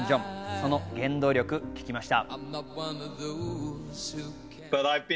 その原動力を聞きました。